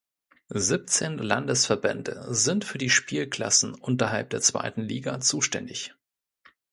Siebzehn Landesverbände sind für die Spielklassen unterhalb der zweiten Liga zuständig.